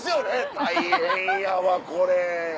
大変やわこれ。